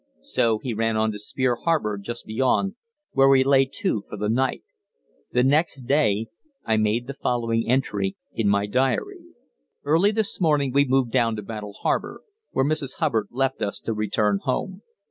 So he ran on to Spear Harbour, just beyond, where we lay to for the night. The next day I made the following entry in my diary: "Early this morning we moved down to Battle Harbour, where Mrs. Hubbard left us to return home.